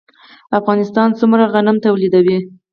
افغانستان څومره غنم تولیدوي؟